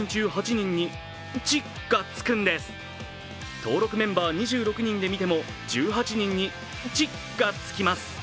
登録メンバー２６人で見ても、１８人に「ッチ」がつきます。